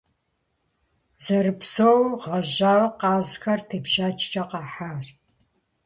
Зэрыпсэууэ гъэжьауэ къазхэр тепщэчкӀэ къахьащ.